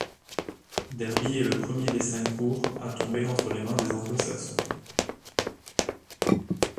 Derby est le premier des Cinq Bourgs à tomber entre les mains des Anglo-Saxons.